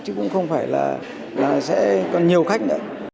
chứ cũng không phải là sẽ còn nhiều khách nữa